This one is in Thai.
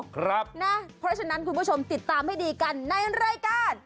เพราะฉะนั้นคุณผู้ชมติดตามให้ดีกันในรายการ